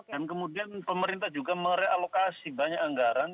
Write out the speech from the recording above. dan kemudian pemerintah juga merealokasi banyak anggaran